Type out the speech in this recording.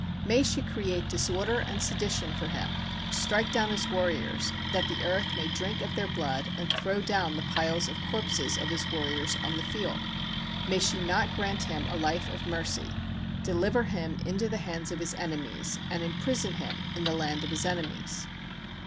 May she create disorder and sedition for him, strike down his warriors, that the earth may drink their blood, and throw down the piles of corpses of his warriors on the field; may she not grant him a life of mercy, deliver him into the hands of his enemies, and imprison him in the land of his enemies.